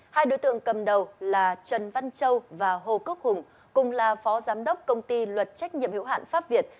hai đối tượng cầm đầu là trần văn châu và hồ quốc hùng cùng là phó giám đốc công ty luật trách nhiệm hiệu hạn pháp việt